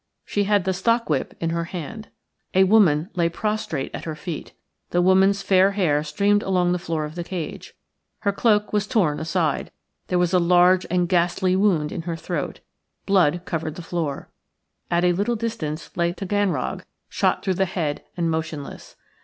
She had the stock whip in her hand. A woman lay prostrate at her feet. The woman's fair hair streamed along the floor of the cage; her cloak was torn aside. There was a large and ghastly wound in her throat; blood covered the floor. At a little distance lay Taganrog, shot through the head and motionless.